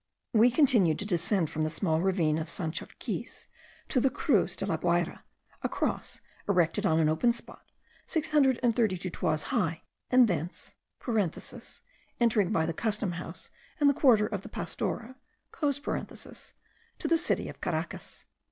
We continued to descend from the small ravine of Sanchorquiz to la Cruz de la Guayra, a cross erected on an open spot, six hundred and thirty two toises high, and thence (entering by the custom house and the quarter of the Pastora) to the city of Caracas.